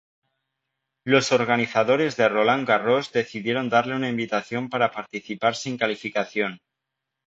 Los organizadores de Roland Garros decidieron darle una invitación para participar sin calificación.